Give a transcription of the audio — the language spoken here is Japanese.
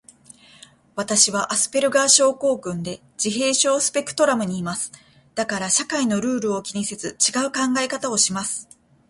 私はアスペルガー症候群で、自閉症スペクトラムにいます。だから社会のルールを気にせず、ちがう考え方をします。